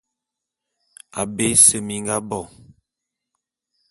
Abé ese mi nga bo.